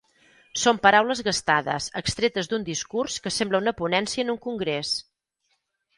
Són paraules gastades, extretes d'un discurs que sembla una ponència en un congrés.